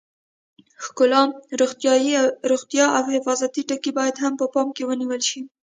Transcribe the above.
ښکلا، روغتیا او حفاظتي ټکي هم باید په پام کې ونیول شي.